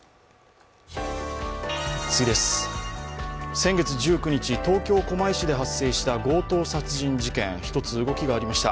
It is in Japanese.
先月１９日、東京・狛江市で発生した強盗殺人事件、一つ動きがありました。